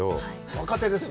若手ですよ。